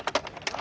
あ。